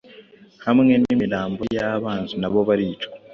Hamwe nimirambo yabanzinabo baricwa